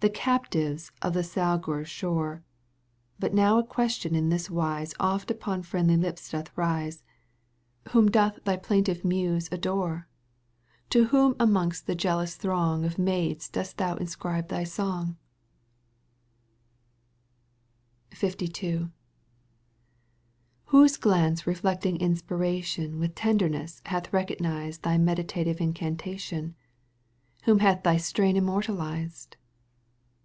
The captives of the Salguir's shore.^^ But now a question in this wise Oft upon friendly lips doth rise : Whom doth thy plaintive Muse adore ? Digitized by CjOOQ 1С 32 EUGENE OHiQUINE. слт^о т. To whom amongst the jealous throng Of maids doat thou inscribe thy song 7 LII Whose glance reflecting inspiration With tenderness hath recognized Thy meditative incantation — Whom hath thy strain immortalized